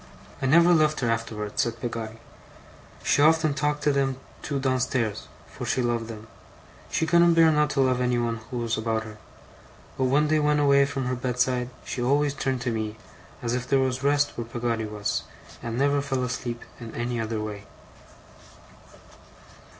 'I never left her afterwards,' said Peggotty. 'She often talked to them two downstairs for she loved them; she couldn't bear not to love anyone who was about her but when they went away from her bed side, she always turned to me, as if there was rest where Peggotty was, and never fell asleep in any other way.